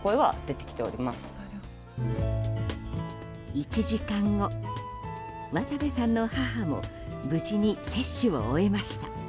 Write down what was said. １時間後、渡部さんの母も無事に接種を終えました。